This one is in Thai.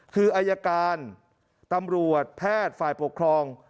คืออายการตำรวจแพทย์ฝ่ายปกครอง